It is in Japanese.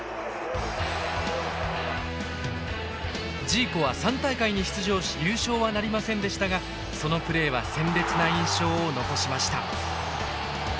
ジーコは３大会に出場し優勝はなりませんでしたがそのプレーは鮮烈な印象を残しました。